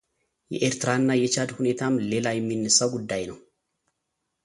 የኤርትራና የቻድ ሁኔታም ሌላ የሚነሳው ጉዳይ ነው።